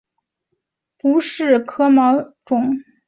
不等壳毛蚶是魁蛤目魁蛤科毛蚶属的一种。